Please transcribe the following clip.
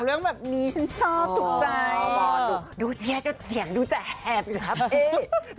เรื่องแบบนี้ฉันชอบถูกใจอ๋อดูดูเชียร์เจ้าเสียงดูจะแหบอยู่นะครับ